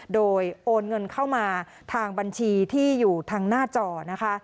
โดยโอนเงินเข้ามาทางบัญชีที่อยู่ทางหน้าจอนะคะ